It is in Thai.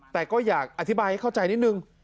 แต่ก็อยากอธิบายให้เข้าใจนิดนึง